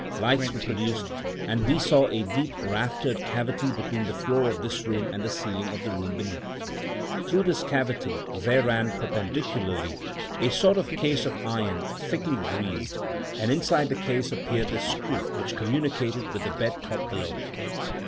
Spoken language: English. Lights were produced, and we saw a deep raftered cavity between the floor of this room and the ceiling of the room beneath. Through this cavity there ran perpendicularly a sort of case of iron thickly greased; and inside the case appeared the screw, which communicated with the bed top below.